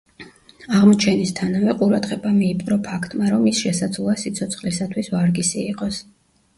აღმოჩენისთანავე, ყურადღება მიიპყრო ფაქტმა, რომ ის შესაძლოა სიცოცხლისათვის ვარგისი იყოს.